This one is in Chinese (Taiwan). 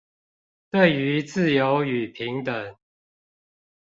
對於自由與平等